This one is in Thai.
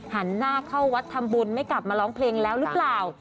หันหน้าเข้าวัดทำบุญไม่กลับมาร้องเพลงแล้วหรือเปล่า